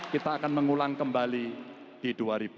kita akan mengulang kembali di dua ribu dua puluh